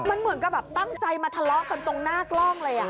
มันเหมือนกับแบบตั้งใจมาทะเลาะกันตรงหน้ากล้องเลย